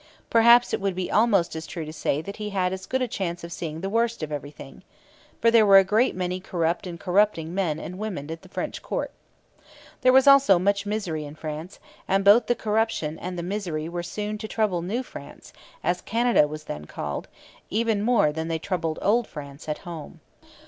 Perhaps it would be almost as true to say that he had as good a chance of seeing the worst of everything. For there were a great many corrupt and corrupting men and women at the French court. There was also much misery in France, and both the corruption and the misery were soon to trouble New France, as Canada was then called, even more than they troubled Old France at home.